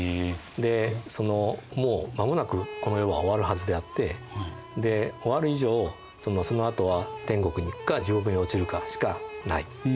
でもう間もなくこの世は終わるはずであって終わる以上そのあとは天国にいくか地獄に落ちるかしかない。